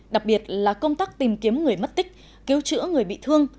đặc biệt là công tác tìm kiếm người mất tích cứu chữa người bị thương